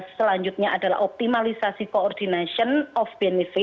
selanjutnya adalah optimalisasi coordination